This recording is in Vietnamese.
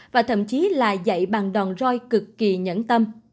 và thậm chí là dạy bằng đòn roi cực kỳ nhẫn tâm